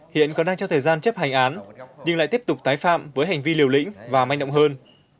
hiện còn đang trong thời gian chấp hành án nhưng lại tiếp tục tái phạm với hành vi liều lĩnh và manh động hơn